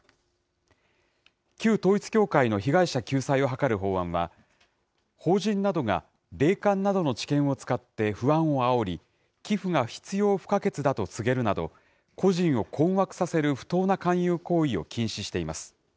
旧統一教会の被害者救済を図る法案は、法人などが霊感などの知見を使って不安をあおり、寄付が必要不可欠だと告げるなど、個人を困惑させる不当な勧誘行為を禁止しています。